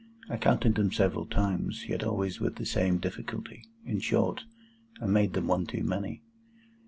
I counted them several times, yet always with the same difficulty. In short, I made them one too many.